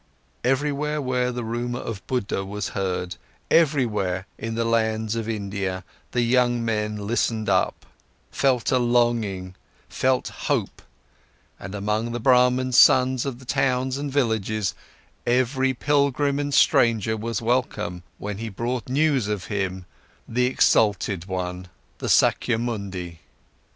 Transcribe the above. Everywhere where the rumour of Buddha was heard, everywhere in the lands of India, the young men listened up, felt a longing, felt hope, and among the Brahmans' sons of the towns and villages every pilgrim and stranger was welcome, when he brought news of him, the exalted one, the Sakyamuni.